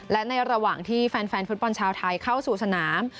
และในระหว่างที่แฟนฟุตบอลชาวไทยเข้าสู่สนาม